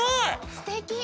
すてき！